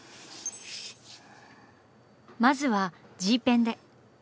まずはＧペンで。